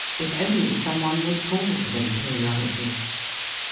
if only some one would call for them periodically.